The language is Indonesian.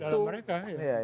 dalam mereka ya